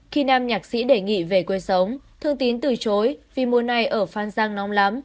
khi nam nhạc sĩ đề nghị về quê sống thương tín từ chối vì mùa này ở phan giang nóng lắm